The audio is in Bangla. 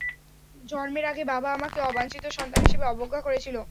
জন্মের আগে, বাবা আমাকে অবাঞ্ছিত সন্তান হিসেবে অবজ্ঞা করেছিল।